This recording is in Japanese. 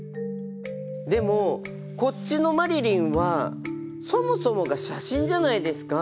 でもこっちの「マリリン」はそもそもが写真じゃないですか。